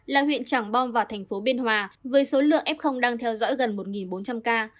là huyện trảng bom và thành phố biên hòa với số lượng f đang theo dõi gần một bốn trăm linh ca